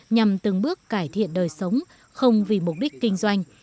nhằm từng bước cải thiện đời sống không vì mục đích kinh doanh